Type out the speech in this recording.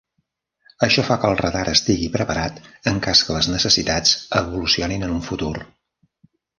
Això fa que el radar estigui preparat en cas que les necessitats evolucionin en un futur.